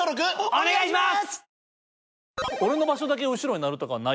お願いします！